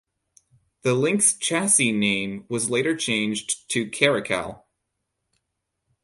The Lynx chassis name was later changed to Caracal.